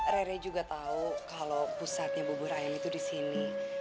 rere juga tahu kalau pusatnya bubur ayam itu di sini